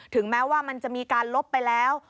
แม้ว่ามันจะมีการลบไปแล้ว